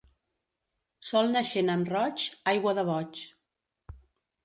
Sol naixent amb roig, aigua de boig.